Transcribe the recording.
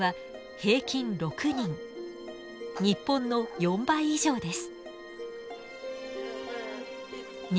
日本の４倍以上です。